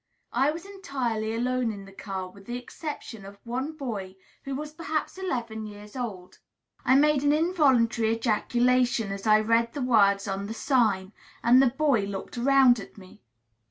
I was entirely alone in the car, with the exception of one boy, who was perhaps eleven years old. I made an involuntary ejaculation as I read the words on the sign, and the boy looked around at me.